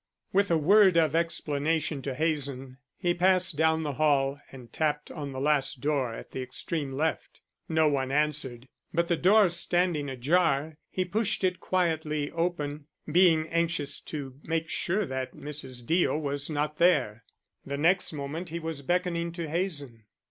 With a word of explanation to Hazen, he passed down the hall and tapped on the last door at the extreme left. No one answered, but the door standing ajar, he pushed it quietly open, being anxious to make sure that Mrs. Deo was not there. The next moment he was beckoning to Hazen.